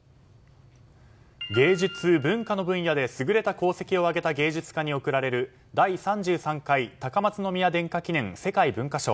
芸術・文化の分野で優れた功績を上げた芸術家に贈られる第３３回高松宮殿下記念世界文化賞。